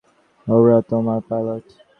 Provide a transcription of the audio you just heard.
ওরা তোমার পাইলট।